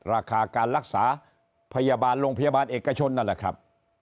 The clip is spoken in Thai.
ราคาการรักษาพยาบาลโรงพยาบาลเอกชนนั่นแหละครับ